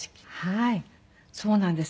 はいそうなんです。